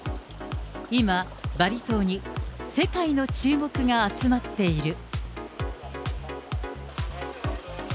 今、バリ島に世界の注目が集まっている。